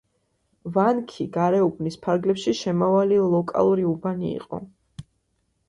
ვანქი გარეუბნის ფარგლებში შემავალი ლოკალური უბანი იყო.